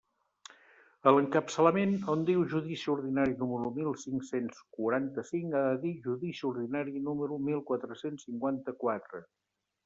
A l'encapçalament, on diu «judici ordinari número mil cinc-cents quaranta-cinc»; ha de dir «judici ordinari número mil quatre-cents cinquanta-quatre».